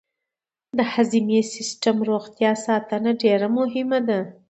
د هضمي سیستم روغتیا ساتنه ډېره مهمه ده.